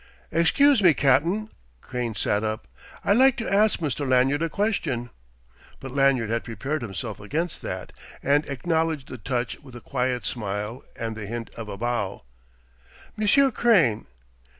"Excuse me, cap'n." Crane sat up. "I'd like to ask Mr. Lanyard a question." But Lanyard had prepared himself against that, and acknowledged the touch with a quiet smile and the hint of a bow. "Monsieur Crane...."